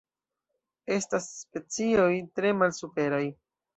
Estas specioj tre malsuperaj.